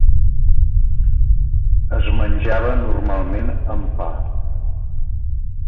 Es menjava normalment amb pa.